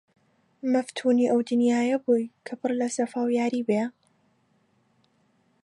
مەفتونی ئەو دنیایە بووی کە پڕ لە سەفا و یاری بێ!